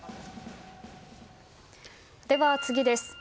では次です。